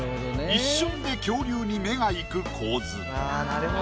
一瞬で恐竜に目が行く構図。